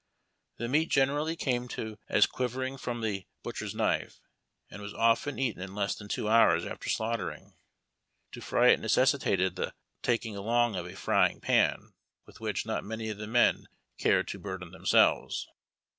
The meat generally came to us quivering from the butch er's knife, and was often eaten in less than two hours alter slaughtering. To fry it necessitated the taking along of a frying pan with which not many of the men cared to burden themselves.